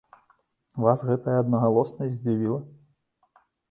Вас гэтая аднагалоснасць здзівіла?